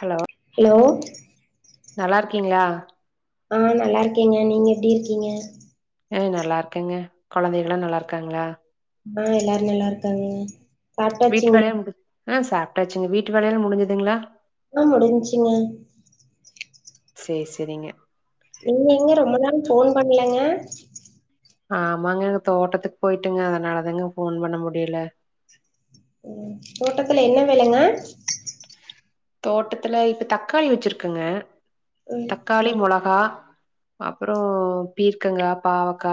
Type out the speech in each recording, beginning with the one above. hello hello நல்லா இருக்கீங்ளா ஆ நல்லா இருக்கேங்க நீங்க எப்டி இருக்கீங்க அ நல்லா இருக்கங்க கொழந்தைகலா நல்லா இருக்காங்ளா ஆ எல்லாரு நல்லா இருக்காங்கங்க வீட்டு வேலையா முடிச் ஆ சாப்ட்டாச்சுங்க வீட்டு வேலையலா முடிஞ்சுதுங்ளா ஆ முடிஞ்ச்சீங்க சேரி சேரிங்க நீங்க எங்க ரொம்ப நாள் ஃபோன் பண்லங்க ஆமாங்க எங்க தோட்டத்துக்கு போய்ட்டுங்க அதனாலதாங்க ஃபோன் பண்ண முடியல ம் தோட்டத்துல என்ன வேலங்க தோட்டத்துல இப்ப தக்காளி வச்சிருக்குங்க ம் தக்காளி மொளகா அப்பறோ பீர்க்கங்கா பாவக்கா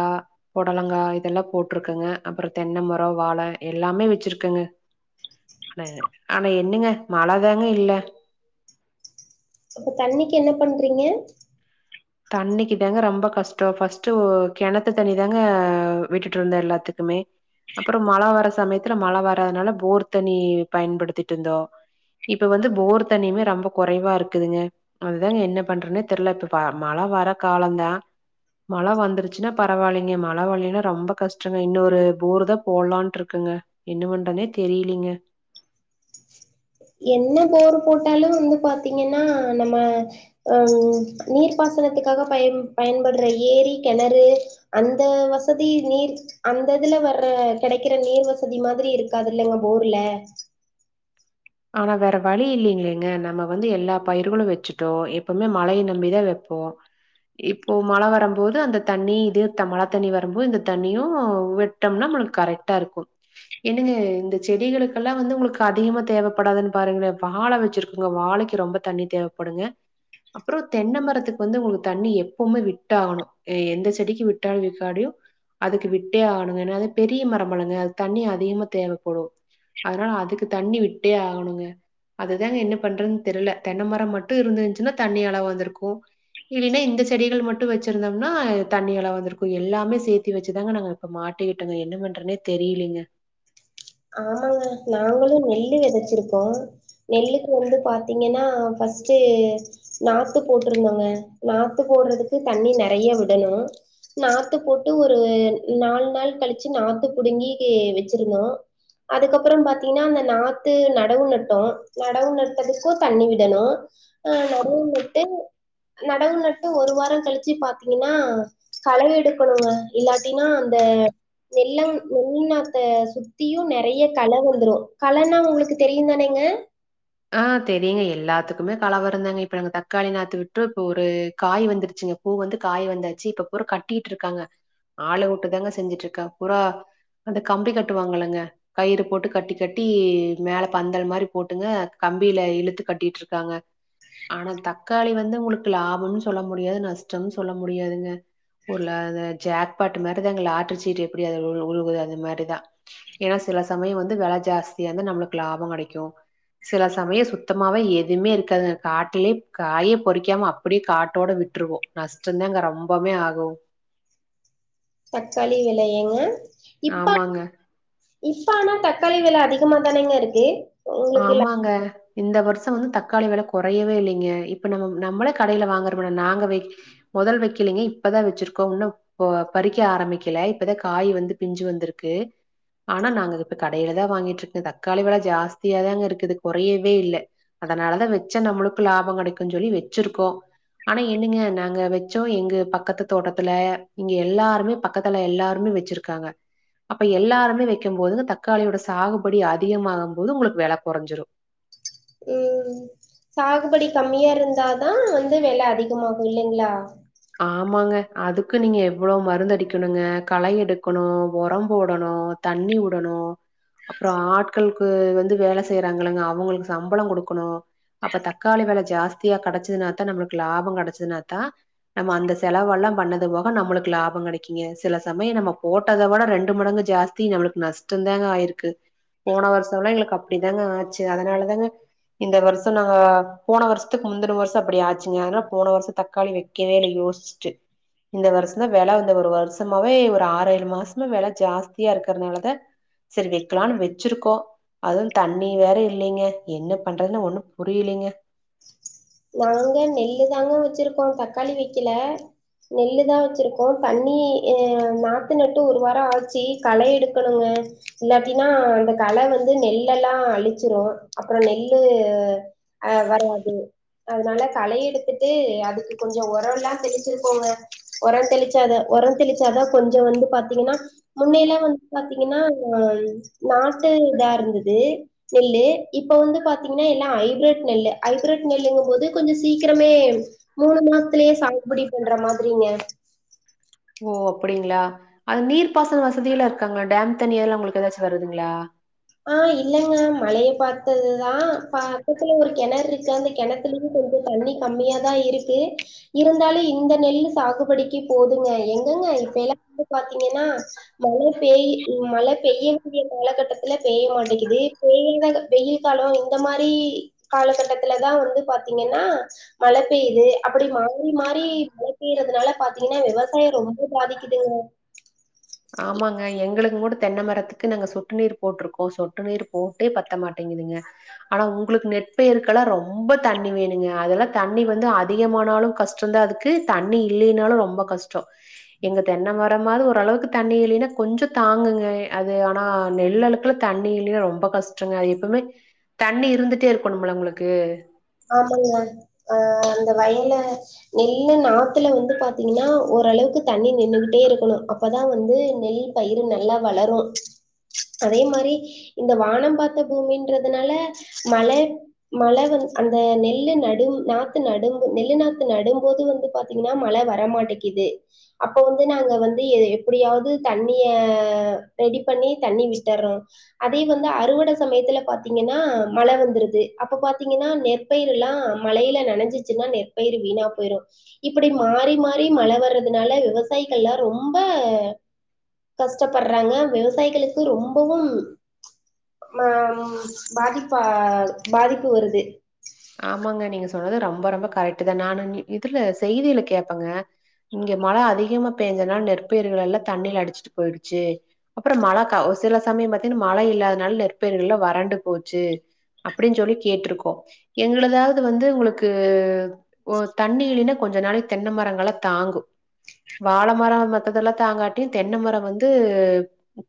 பொடலங்காய் இதெல்லா போட்டிருக்குங்க அப்பறோ தென்ன மரோ வாழ எல்லாமே வச்சிருக்கங்க ஆன ஆனா என்னங்க மழதாங்க இல்ல அப்ப தண்ணிக்கு என்ன பண்றீங்க தண்ணிக்கு தாங்க ரொம்ப கஷ்டோ ஃபர்ஸ்ட்ட் கெணத்து தண்ணி தாங்க விட்டுட்டு இருந்தே எல்லாத்துக்குமே அப்பறோ மழ வர சமயத்துல மழ வர்துனால போர் தண்ணி பயன்படுத்திட்டு இருந்தோ இப்ப வந்து போர் தண்ணியுமே ரொம்ப குறைவா இருக்குதுங்க அதுதாங்க என்ன பண்றேனே தெர்லா இப்ப பா மழ வர காலோதா மழ வந்துருச்சுன்னா பரவால்லைங்க மழ வல்லின்னா ரொம்ப கஷ்டங்க இன்னொரு போரு தா போடலான்ட்டு இருக்குங்க என்ன பண்றனே தெரியிலிங்க என்ன போர் போட்டாலு வந்து பாாரத்தீங்கன்னா நம்ம ம் நீர்ப்பாசனத்துக்காக பயன் பயன்படுற ஏரி கெணறு அந்த வசதி நீர் அந்த இதுல வர்ற கெடைக்கிற நீர் வசதி மாதிரி இருக்காது இல்லைங்க போர்ல ஆனா வேற வழி இல்லலைங்கங்க நம்ம வந்து எல்லா பயிர்களு வச்சுட்டோ எப்பவுமே மழய நம்பிதா வைப்போ இப்போ மழ வரபோது அந்த தண்ணி இது மழ தண்ணி வருபோது இந்த தண்ணியு வி ட்டோம்னா நம்மளுக்கு கரெகா இருக்கு என்னங்க இந்த செடிகளுகெல்லா வந்து உங்களுக்கு அதிகமா தேவ ப்படாதுன்னு பாருங்களே வாழ வச்சிருக்கோங்க வாழைக்கு ரொம்ப தண்ணி தேவப்படுங்க அப்றோ தென்ன மரத்துக்கு வந்து உங்களுக்கு தண்ணி எப்பவுமே விட்டாகணு எந்த செடிக்கு விட்டாலு விக்காடியு அதுக்கு விட்டே ஆகணுங்க ஏன்னா பெரிய மரோ இல்லங்க அது தண்ணி அதிகமா தேவப்படு அதனால அதுக்கு தண்ணி விட்டே ஆகணுங்க அதுதாங்க என்ன பண்றதுன்னு தெர்ல தென்ன மரோ மட்டு இருந்துச்சுன்னா தண்ணி அளவு வந்திருக்கு இல்ன்னா இந்த செடிகள் மட்டு வச்சிருந்தோம்னா தண்ணி அள வந்திருக்கு எல்லாமே சேத்தி வச்சுதாங்க நாங்க இப்ப மாட்டிக்கிட்டோங்க என்ன பண்றனே தெரியிலீங்க ஆமாங்க நாங்களு நெல்லு விதச்சிருக்கோ நெல்லுக்கு வந்து பாத்தீங்கன்னா ஃபர்ஸ்ட்டு நாத்து போட்டிருந்தோங்க நாத்து போட்றதுக்கு தண்ணி நெறைய விடணு நாத்து போட்டு ஒரு நாலு நாள் கழிச்சு நாத்து புடுங்கி வச்சிருந்தோ அதுக்கப்பறோ பாத்தீங்கன்னா அந்த நாத்து நடவு நட்டோ நடவு நட்டதுக்கு தண்ணி விடணு அ நடவு நட்டு நடவு நட்டு ஒரு வாரோ கழிச்சு பாத்தீங்கன்னா களஎடுக்கணுங்க இல்லாட்டினா அந்த நெல்லங் நெல்ல நாத்த சுத் தியு நெறைய கல வந்துடு கலன்னா உங்களுக்கு தெரியு தானங்க ஆ தெரியங்க எல்லாத்துக்குமே கல வருந்தாங்க இப்ப நாங்க தக்காளி நாத்து விட்டு இப்ப ஒரு காய் வந்துருச்சுங்க பூ வந்து காய் வந்தாச்சு இப்ப புரா கட்டிட்டு இருக்காங்க ஆள விட்டு தாங்க செஞ்சுட்டு இருக்கா புரா அந்த கம்பி கட்டுவாங்கல்லாங்க கயிறு போட்டு கட்டி கட்டி மேல பந்தல் மாரி போட்டுங்க கம்பியில இழுத்து கட்டிட்டு இருக்காங்க ஆனா தக்காளி வந்து உங்களுக்கு லாபோனு சொல்ல முடியாது நஷ்டோனு சொல்ல முடியாதுங்க உருல அத ஜாக்பட்டு மாரிதாங்க லாட்டரி சீட்டு எப்டி அது உ உழுகுது அந்த மாரிதா ஏன்னா சில சமயோ வந்து வில ஜாஸ்தியா இருந்த நம்மளுக்கு லாபோ கெடைக்கு சில சமயோ சுத்தமாவே எதுவுமே இருக்காது காட்டுலயே காய பொறிக்காம அப்டியே காட்டோட விட்டுருவோ நஷ்டோதாங்க ரொம்பமே ஆகு தக்காளி விலையேங்க ஆமாங்க இஸ் ஆனா தக்காளி வில அதிகமா தானேங்க இருக்கு உங்களுக்கு ல ஆமாங்க இந்த வர்ஷோ வந்து தக்காளி வில குறையவே இல்லைங்க இப்ப நம்ம நம்மளே கடையில் வாங்கிறோம்னா நாங்க வைக் முதல் வைக்கலீங்க இப்பதா வச்சிருக்கோ இன்னு இப்போ பறிக்க ஆரம்பிக்கல இப்பதா காய் வந்து பிஞ்சு வந்துருக்கு ஆனா நாங்க இப்ப கடையில தா வாங்கிட்டுக்கு தக்காளி வேல ஜாஸ்தியாதாங்க இருக்குது குறையவே இல்ல அதனாலதா வச்சா நம்மளுக்கு லாபம் கெடைக்குன்னு சொல்லி வச்சிருக்கோ ஆனா என்னங்க நாங்க வச்சோ எங்க பக்கத்து தோட்டத்துல இங்க எல்லாருமே பக்கத்துல எல்லாருமே வச்சிருக் காங்க அப்ப எல்லாருமே வைக்கும்போது தக்காளியோட சாகுபடி அதிகமாககு போது உங்களுக்கு வேல கொறஞ்சுரு ம் சாகுபடி கம்மியா இருந்தாதா வந்து வெல அதிகமாகு இல்லைங்ளா ஆமாங்க அதுக்கு நீங்க எவ்ளோ மருந்தடிக்கணுங்க களை எடுக்கணு உரம் போடணு தண்ணி உடணு அப்பற ஆட்களுக்கு வந்து வேல செய்யறாங்களங்க அவுங்களுக்கு சம்பளம் குடுக்கணு அப்ப தக்காளி வெல ஜாஸ்தியா கெடச்சதுனாத்தா நம்மளுக்கு லாபம் கெடச்சதுனாத்தா நம்ம அந்த செலவெல்லா பண்ணது போக நம்மளுக்கு லாபம் கெடைக்கிங்க சில சமயம் நம்ம போட்டத விட ரெண்டு மடங்கு ஜாஸ் த்தி நம்மளுக்கு நஷ்டந்தாங்க ஆயிருக்கு போன வர்ஷம்ல்லா எங்களுக்கு அப்டி தாங்க ஆச்சு அதனால தாங்க இந்த வர்ஷோ நாங்க போன வர்ஷத்துக்கு முந்தின வர்ஷ அப்டி ஆச்சுங்க அதனால போன வர்ஷ தக்காளி வக் கவே இல்ல யோஸ்ட்டு இந்த வர்ஷ்ந்தா வில வந்த ஒரு வருஷமாவே ஒரு ஆற ஏழு மாசமா வில ஜாஸ்தியா இருக்கிறதுனாலதான் செரி வைக்கலானு வச்சிருக்கோ அதுவு தண்ணி வேற இல்லைங்க என்ன பண்றதுன்னு ஒண்ணு புரியலைங்க நாங்க நெல்லு தாங்க வச்சிருக்கோ தக்காளி வைக்கல நெல்லு தா வச்சுருக்கோ தண்ணி எ நாத்து நட்டு ஒரு வார ஆச்சு களை எடுக்கணுங்க இல்லாட்டீனா அந்த கள வந்து நெல்லல்லா அழிச்சிரு அப்பற நெல்லு அ வராது அதனால களை எடுத்துட்டு அதுக்கு கொஞ்ச உரல்லா தெளிச்சிருக்கோங்க உர தெளிச்சாது உரந் தெளிச்சாதா கொஞ்ச வந்து பாத்தீங்கன்னா முன்னையெல்லா வந்து பாத்தீங்கன்னா ஆ நாத்து இதா இருந்தது நெல்லு இப்ப வந்து பாத்தீங்கன்னா எல்லா ஹைபிரட் நெல்லு ஐபெரட் நெல்லுங்கும் போது கொஞ்ச சீக்கிரமே மூணு மாசத்துலேயே சாகுபடி பண்ற மாதிரிங்க ஓ அப்டிங்களா அது நீர்ப்பாசன வசதில்லா இருக்காங்ளா டேம் தண்ணி எதுல்லா உங்களுக்கு ஏதாச்சு வருதுங்ளா ஆ இல்லங்க மழைய பாத்ததுதா ப பக்கத்துல ஒரு கெணறு இருக்கு அந்த கெணத் துலையு கொஞ்ச தண்ணி கம்மியாதா இருக்கு இருந்தாலு இந்த நெல்லு சாகுபடிக்கி போதுங்க எங்கங்க இப்பெல்லா வந்து பாத்தீங்கன்னா மழை பேய் மழை பெய்ய வேண்டிய காலகட்டத் துல பேய மாட்டேக்கிது பேய்றத வெயில் காலோ இந்த மாரி காலகட்டத்துல தா வந்து பாத்தீங்கன்னா மழ பெய்யுது அப் டி மாரி மாரி மழ பெய்யறதுனால பாத்தீங்கன்னா விவசாய ரொம்ப பாதிக்குதுங்க ஆமாங்க எங்களுக்கு கூட தென்ன மரத்துக்கு நாங்க சொட்டு நீீர் போட்டிருக்கோ சொட்டு நீர் போட்டே பத்த மாட்டேங்குதுங்க ஆனா உங்களுக்கு நெற்பயிர்க்கல்லா ரொம்ப தண்ணி வேணுங்க அதெல்லா தண்ணி வந்து அதிகமானாலு கஷ் டோந்த அதுக்கு தண்ணி இல்லைனாலு ரொம்ப கஷ்டோ எங்க தென்ன மரமாது ஒரளவுக் தண்ணி இல்லைன்னா கொஞ்ச தாங்குங்க அது ஆனா நெல் அழுக்குல தண்ணி இல்லைனா ரொம்ப கஷ்டங்க அது எப்பமே தண்ணி இருந்துட்டே இருக்கணும்ல உங்களுக்கு ஆமங்க ஆ அந்த வயல நெல்லு நாத்துல வந்து பாத்தீங்கனா ஒரளவுக்கு தண்ணி நின்னுக்கிட்டே இருக்கணு அப்பதா வந்து நெல் பயிரு நல்லா வளரு அதே மாரி இந்த வானம் பாத்த பூமின்றதுனால மழை மழ வருது அந்த நெல்லு நடு நாத்து நடுங்கு நெல்லு நாத்து நடும்போது வந்து பாத்தீங்கனா மழ வரமாட்டிக்குது அப்ப வந்து நாங்க வந்து ஏ எப்டியாவ்து தண்ணிய ரெடி பண்ணி தண்ணி விட்டர்றோ அதே வந்து அறுவட சமயத்துல பாத்தீங்கனா மழ வந்துருது அப்ப பாத்தீங்கனா நெற்பயிருலா மழையில நனஞ்சுச்சுனா நெற்பயிரு வீணா போயிரு இப்டி மாறி மாறி மழ வர்றதுனால விவசாயிகள்லா ரொம்ப கஷ்டப்பட்றாங்க விவசாயிகளுக்கு ரொம்பவும் மாம் பாதிப்பா பாதிப்பு வருது ஆமாங்க நீங்க சொன்னது ரொம்ப ரொம்ப கரெக்ட்டு தா நானு நீ இதுல செய்தில கேப்பங்க இங்க மழ அதிகமா பேஞ்சனால நெற்பயிர்கள் எல்லா தண்ணில அடிச்சிட்டு போயிடுச்சு அப்பற மழக்கா சில சமயம் பாத்தீனா மழ இல்லாதனால நெற்பயிர்கள்ல வறண்டு போச்சு அப்டின் சொல்லி கேட்ருக்கோ எங்களதாவ்து வந்து உங்களுக்கு ஓ தண்ணி இல்லைனா கொஞ்ச நாளைக்கு தென்ன மரங்களா தாங்கு வாழ மர மத்ததெல்லா தாங்காட்டியு தென்ன மர வந்து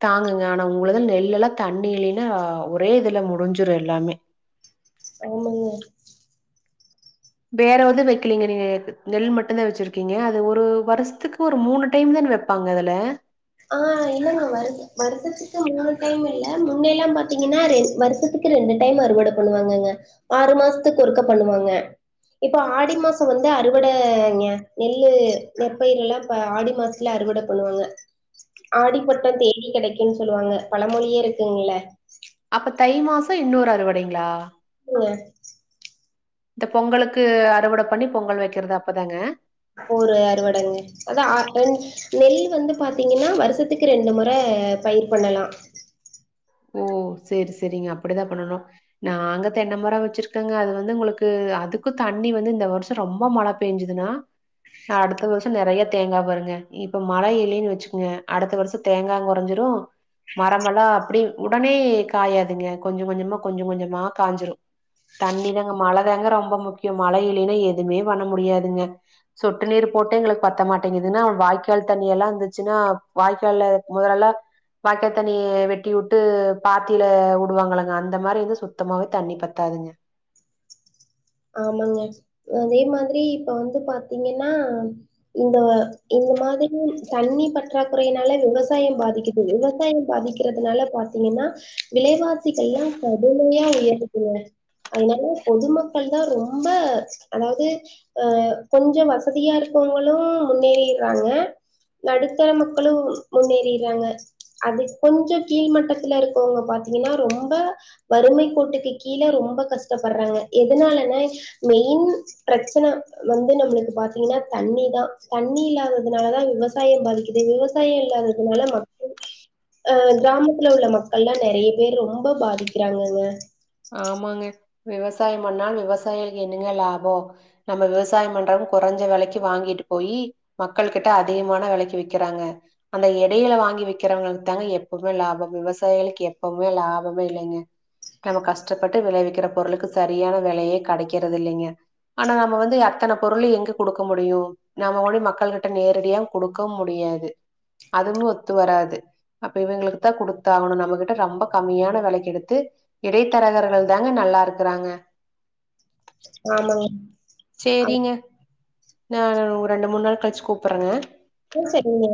தாங்குங்க ஆனா உங்களுது நெல்லுலா தண்ணி இல்லைனா ஒரே இதுல முடிஞ்சிரு எல்லாமே ஆமாங்க வேறவெது வெக்கலைங்க நீங்க நெல் மட்டுந்தா வச்சிருக்கீங்க அது ஒரு வருஷத்துக்கு ஒரு மூணு டைம் தான வெப் ப்பாங்க அதுல ஆ இல்லங்க வருச வரசத்துக்கு மூணு டைம் இல்ல முன்னைலா பாத்தீங்கனா ரெ வருசத்துக்கு ரெண்டு டைம் அறுவட பண்ணுவாங்கங்க ஆறு மாசத்துக்கு ஒருக்கா பண்ணுவாங்க இப்ப ஆடி மாச வந்து அறுவடங்கெ நெல்லு நெற்பயிர்லா இப்ப ஆடி மாச த்துல அறுவட பண்ணுவாங்க ஆடிப்பட்ட தேடி கெடைக்குன் சொல்லுவாங்க பழமொழியே இருக்குங்ள அப்ப தை மாச இன்னொரு அறுவடைங்ளா இங்க இந்த பொங்கலுக்கு அறுவட பண்ணி பொங்கல் வெக்கிறது அப்பதாங்க போரு அறுவடைங்க அதா கொஞ் நெல் வந்து பாத்தீங்கனா வரசத்துக்கு ரெண்டு முற பயிர் பண்ணலா ஓ சேரி சேரிங்க அப்டிதா பண்ணணு நாங்க தென்ன மர வெச்சிருக்கங்க அது வந்து உங்களுக்கு அதுக்கு தண்ணி வந்து இந்த வருஷ ரொம்ப மழ பேஞ்சதுனா அடுத்த வருஷ நெறையா தேங்கா வருங்க இப்ப மழ இல்லைன் வச்சுக்குங்க அடுத்த வருஷ தேங்காயு கொறைஞ்சிரு மரமெல்லா அப்டி உடனே காயாதுங்க கொஞ்ச கொஞ்சமா கொஞ்ச கொஞ்சமா காஞ்சிரு தண்ணி தாங்க மழதாங்க ரொம்ப முக்கிய மழ இல்லைனா எதுமே பண்ண முடியாதுங்க சொட்டு நீர் போட்டே எங்களுக்கு பத்த மாட்டிங்குதுனா வாய்க்கால் தண்ணியெல்லா இருந்துச்சுனா வாய்க்கால்ல மொதலெல்லா வாய்க்காத்தண்ணிய வெட்டியுட் டு பாத்தில வுடுவாங்களங்க அந்த மாரி வந்து சுத்தமாவே தண்ணி பத்தாதுங்க ஆமாங்க அதே மாதிரி இப்ப வந்து பாத்தீங்கனனா இந்த இந்த மாதிரியு தண்ணி பற்றாக்குறையினால விவசாயம் பாதிக்கு இந்த விவசாயம் பாதிக்கிறதுனால பாத்தீங்கனா விலைவாசிகல்லா கடுமையா உயரத்துள்ள அதனால பொதுமக் கள் தா ரொம்ப அதாவது ஆ கொஞ்சோ வசதியா இருக்கவங்களு முன்னேறிடுறாங்க நடுத்தர மக்களு முன்னேறிறாங்க அதுக் கொஞ்சோ கீழ் மட்டத்துல இருக்கவங்க பாத்தீங்கன்னா ரொம்ப வறுமை கோட்டுக்கு கீழ ரொம்ப கஷ்டப்படுறாங்க எதுனாலன மெயின் பிரச்சன வந்து நம்மளுக்கு பாத்தீங்கன்னா தண்ணி தா தண்ணி இல்லாததுனால தா விவசாயம் பாதிக்குது விவ சாயம் இல்லாததுனால மக்கள் அ கிராமத்துல உள்ள மக்கள்ல்லா நெறைய பேர் ரொம்ப பாதிக்கிறாங்கங்க ஆமாங்க விவசாயம் பண்ணா விவசாயிகளுக்கு என்னங்க லாபோ நம்ம விவசாயம் பண்றவங்க கொறஞ்ச வெலைக்கு வாங்கிட்டு போயி மக்கள்கிட்ட அதிகமான வெலைக்கு விக்கிறாங்க அந்த எடையில வாங்கி வக்கிறவங்களுக்கு தாங்க எப்பவுமே லாபம் விவசாயிகளுக்கு எப்பவுமே லாபமே இல்லைங்க நம்ம கஷ்டப்பட்டு விளைவிக்கிற பொருளுக்கு சரியான விலையே கிடைக்கிறது இல்லைங்க ஆனா நம்ம வந்து அத்தன பொருளையு எங்க கொடுக்க முடியும் நம்ம கொண்டி மக்கள்கிட்ட நேரடியா கொடுக்கவு முடியாது அதுவும் ஒத்து வராது அப்ப இவங்களுக்கு குடுத்தாகணும் நம்மகிட்ட ரொம்ப கம்மியான வெலைக்கு எடுத்து இடைத்தரகர்கள் தாங்க நல்லாருக்குறாங்க ஆமாங்க செரிங்க நா ஒ ரெண்டு மூணு நாள் கழிச்சு கூப்பற்றங்க ஆ செரிங்க